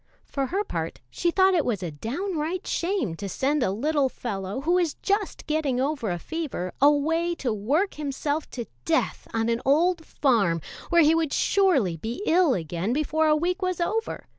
For her part, she thought it was a downright shame to send a little fellow, who was just getting over a fever, away to work himself to death on an old farm, where he would surely be ill again before a week was over.